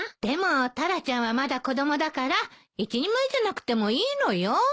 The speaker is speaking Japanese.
でもタラちゃんはまだ子供だから一人前じゃなくてもいいのよ。